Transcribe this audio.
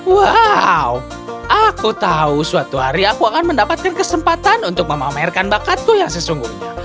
wow aku tahu suatu hari aku akan mendapatkan kesempatan untuk memamerkan bakatku yang sesungguhnya